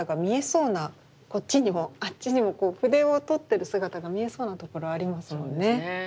こっちにもあっちにも筆をとってる姿が見えそうなところありますよね。